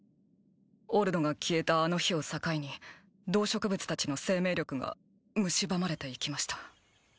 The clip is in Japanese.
オルドが消えたあの日を境に動植物達の生命力がむしばまれていきました